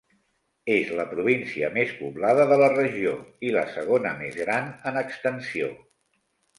És la província més poblada de la regió i la segona més gran en extensió.